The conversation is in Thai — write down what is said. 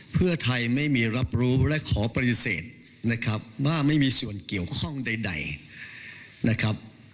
เพื่อไทยไม่มีรับรู้และขอปฏิเสธนะครับว่าไม่มีส่วนเกี่ยวข้องใดนะครับ